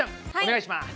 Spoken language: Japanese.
お願いします。